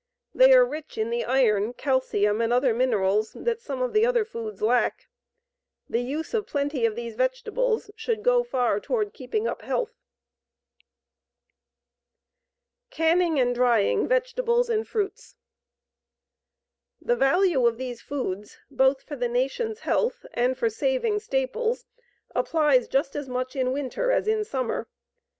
They are rich in the iron, calcium, and other minerals that some of the other foods lack. The use of plenty of these vegetables should go far toward keeping up health. CANNING AND DRYING VEGETABLES AND FRUITS The value of these foods both for the nation's health and for saving staples applies just as much in winter as in summer.